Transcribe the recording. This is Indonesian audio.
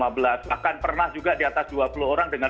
bahkan pernah juga di atas dua puluh orang dengan